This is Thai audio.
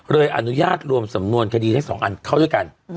อนุญาตรวมสำนวนคดีทั้งสองอันเข้าด้วยกัน